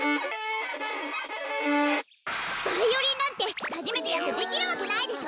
バイオリンなんてはじめてやってできるわけないでしょ！